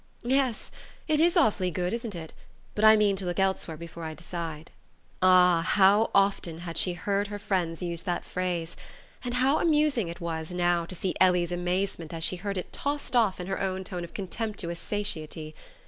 "Yes; it is awfully good, isn't it? But I mean to look elsewhere before I decide." Ah, how often she had heard her friends use that phrase; and how amusing it was, now, to see Ellie's amazement as she heard it tossed off in her own tone of contemptuous satiety!